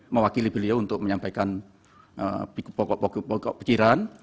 mewakili beliau untuk menyampaikan pokok pikiran